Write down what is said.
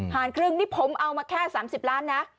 ครึ่งนี่ผมเอามาแค่๓๐ล้านนะ